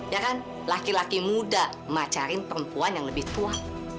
ya kan laki laki muda ngajarin perempuan yang lebih tua